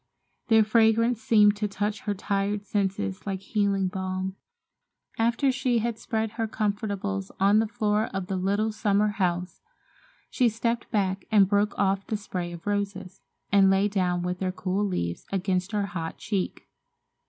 Their fragrance seemed to touch her tired senses like healing balm. After she had spread her comfortables on the floor of the little summer house, she stepped back and broke off the spray of roses, and lay down with their cool leaves against her hot cheek.